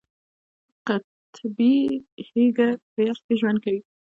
قطبي هیږه په یخ کې ژوند کوي